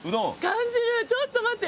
感じるちょっと待って。